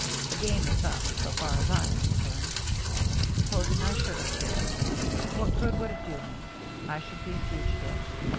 The game is up, so far as I am concerned. Supposing I should escape. HARBOR LIGHTS 385 what good would it do me ? I should be a fu gitive.